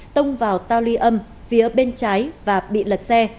tông vào tao ly âm phía bên trái và bị lật xe